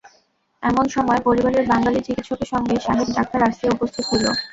এমন সময় পরিবারের বাঙালি চিকিৎসকের সঙ্গে সাহেব-ডাক্তার আসিয়া উপস্থিত হইল।